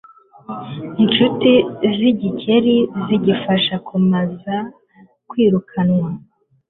incuti z'igikeri zigifasha kimaze kwirukanwa